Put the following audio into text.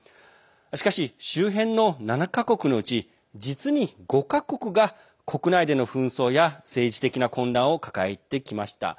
しかし、周辺の７か国のうち実に５か国が国内での紛争や政治的な混乱を抱えてきました。